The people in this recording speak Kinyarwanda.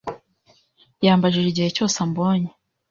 Yambajije igihe cyose ambonye.